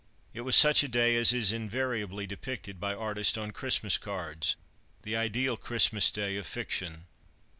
It was such a day as is invariably depicted by artists on Christmas cards the ideal Christmas Day of fiction.